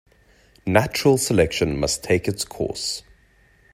Natural selection must take its course.